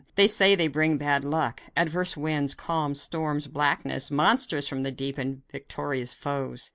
They say they bring bad luck adverse winds, calms, storms, blackness, monsters from the deep and victorious foes."